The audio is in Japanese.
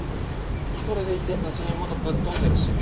それでいてうちの妹ぶっ飛んでるし。